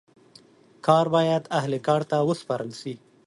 کار باید اهل کار ته وسپارل سي.